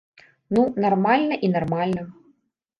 Ну, нармальна і нармальна.